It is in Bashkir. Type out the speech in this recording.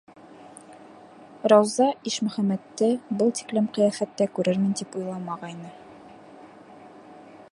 Рауза Ишмөхәмәтте был тиклем ҡиәфәттә күрермен тип уйламағайны.